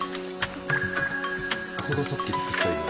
これがさっき作った色？